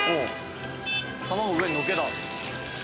卵上にのっけた。